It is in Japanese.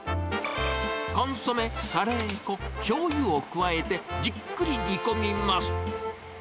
コンソメ、カレー粉、しょうゆを加えて、じっくり煮込みます。